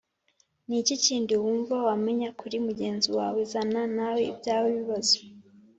Ni iki kindi wumva wamenya kuri mugenzi wawe Zana nawe ibyawe bibazo